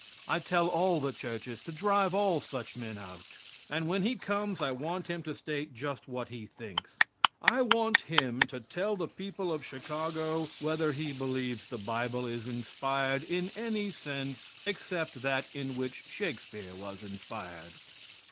I tell all the churches to drive all such men out, and when he comes I want him to state just what he thinks. I want him to tell the people of Chicago whether he believes the Bible is inspired in any sense except that in which Shakespeare was inspired.